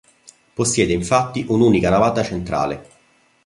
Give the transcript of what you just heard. Possiede infatti un'unica navata centrale.